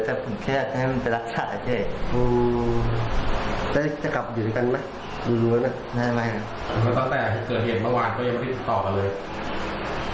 ตั้งแต่เกิดเห็นเมื่อวานก็ยังไว้ติดต่อตัวเลย